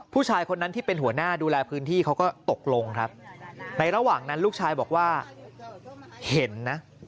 ผู้ชายคนนั้นที่เป็นหัวหน้าดูแลพื้นที่เขาก็ตกลงครับในระหว่างนั้นลูกชายบอกว่าเห็นนะ